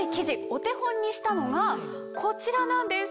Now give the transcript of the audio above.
お手本にしたのがこちらなんです。